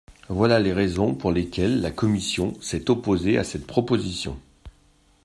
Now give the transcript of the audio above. Voilà les raisons pour lesquelles la commission s’est opposée à cette proposition.